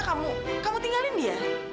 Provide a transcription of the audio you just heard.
kamu tinggalin dia